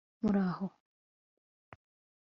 muraho